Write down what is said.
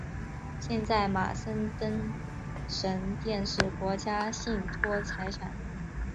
现在马森登神殿是国家信托财产。